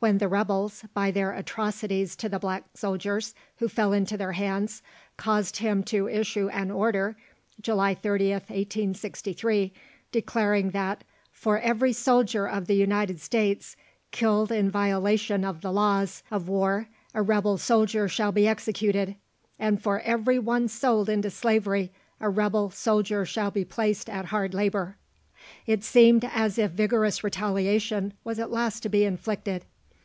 When the rebels, by their atrocities to the black soldiers who fell into their hands, caused him to issue an order (July 30th, 1863), declaring that "for every soldier of the United States killed in violation of the laws of war a rebel soldier shall be executed, and for every one sold into slavery a rebel soldier shall be placed at hard labour," it seemed as if vigorous retaliation was at last to be inflicted.